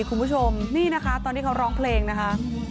คุณผู้ชมนี่นะคะตอนที่เขาร้องเพลงนะคะ